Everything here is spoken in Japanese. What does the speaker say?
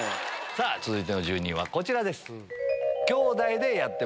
続いての住人はこちらです。